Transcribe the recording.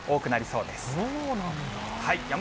そうなんだ。